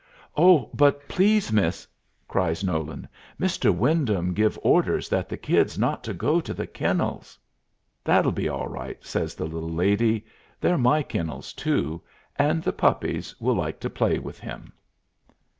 "Oh, but please, miss," cries Nolan, "Mr. Wyndham give orders that the Kid's not to go to the kennels." "That'll be all right," says the little lady; "they're my kennels too. And the puppies will like to play with him."